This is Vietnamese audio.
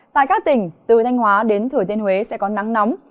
tại các tỉnh từ thanh hóa đến thủy tiên huế sẽ có nắng nóng